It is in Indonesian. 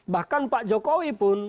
bahkan pak jokowi pun